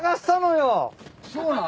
そうなん？